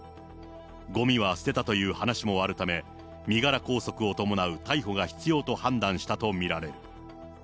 ごみは捨てたという話もあるため、身柄拘束を伴う逮捕が必要と判断したと見られる。